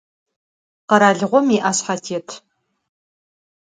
Kheralığom yi'eşshetêt.